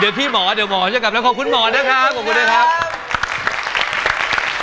เดี๋ยวพี่หมอเดี๋ยวหมอจะกลับแล้วขอบคุณหมอนะครับขอบคุณนะครับ